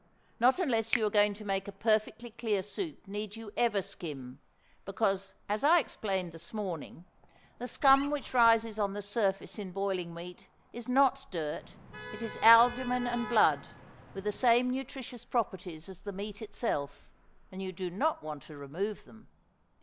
Not unless you are going to make a perfectly clear soup need you ever skim; because, as I explained this morning, the scum which rises on the surface in boiling meat is not dirt, it is albumen and blood, with the same nutritious properties as the meat itself, and you do not want to remove them.